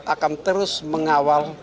akan terus mengawal